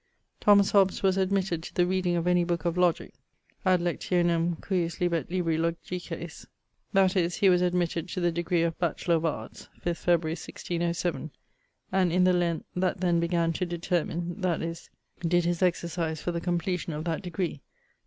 [FP] Thomas Hobs was admitted to the reading of any book of logic ('ad lectionem cujuslibet libri logices'), that is, he was admitted to the degree of Bachelaur of Arts, 5 Feb., 1607, and in the Lent that then began did determine, that is, did his exercise for the completion of that degree.